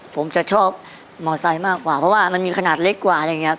ผมจะชอบมอไซค์มากกว่าเพราะว่ามันมีขนาดเล็กกว่าอะไรอย่างนี้